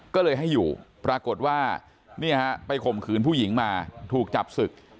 ก็เลยให้อยู่ปรากฏว่าไปข่มขืนผู้หญิงมาถูกจับศึก